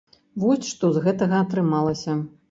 Вось што з гэтага атрымалася.